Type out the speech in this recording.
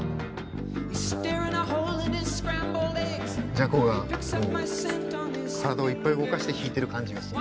Ｊａｃｏが体をいっぱい動かして弾いてる感じがする。